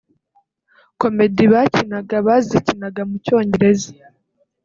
Comedy bakinaga bazikinaga mu cyongereza